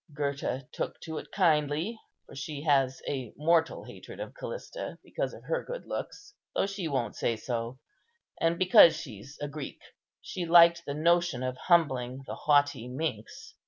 Gurta took to it kindly, for she has a mortal hatred of Callista, because of her good looks, though she won't say so, and because she's a Greek! and she liked the notion of humbling the haughty minx.